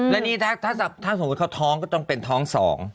และนี่ถ้าสมมุติเขาท้องก็ต้องเป็นท้อง๒